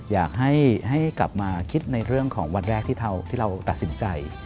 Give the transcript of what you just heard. อยากให้กลับมาคิดในเรื่องของวันแรกที่เราตัดสินใจ